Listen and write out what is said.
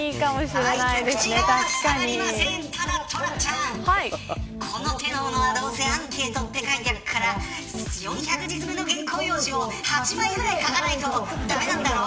ただ、トラちゃんこの手のものはアンケートと書いてあるから４００字詰めの原稿用紙を８枚ぐらい書かないと駄目なんだろ。